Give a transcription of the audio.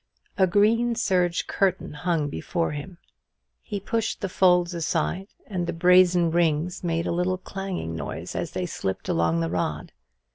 A green serge curtain hung before him. He pushed the folds aside; and the brazen rings made a little clanging noise as they slipped along the rod.